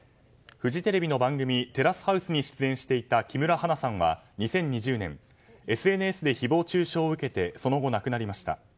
フジテレビの番組「テラスハウス」に出演していた木村花さんは２０２０年ＳＮＳで誹謗中傷を受けてその後、亡くなりました。